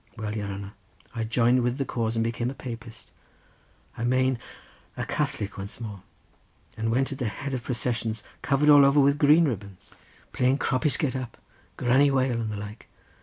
Well, your hanner, I joined with the cause and became a Papist, I mane a Catholic once more, and went at the head of processions, covered all over with green ribbons, playing 'Croppies Get Up,' 'Granny Whale,' and the like.